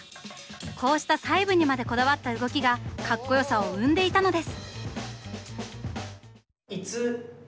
こうした細部にまでこだわった動きがかっこよさを生んでいたのです。